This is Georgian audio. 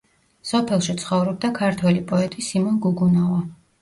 სოფელში ცხოვრობდა ქართველი პოეტი სიმონ გუგუნავა.